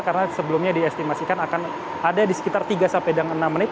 karena sebelumnya diestimasikan akan ada di sekitar tiga sampai dengan enam menit